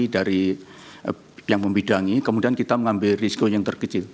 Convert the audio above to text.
dari yang membidangi kemudian kita mengambil risiko yang terkecil